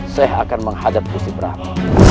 saya akan menghadap gusti prabu